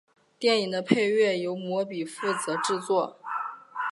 电影的配乐由魔比负责制作。